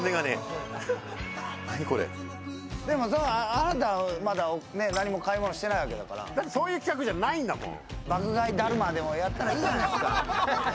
あなた、まだ何も買い物してないわけだから。だってそういう企画じゃないんだもの。